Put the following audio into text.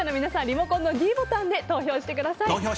リモコンのｄボタンで投票してください。